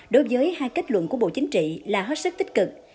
đối với hai kết luận của bộ chính trị là hết sức tích cực